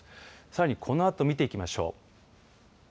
さらにこのあと見ていきましょう。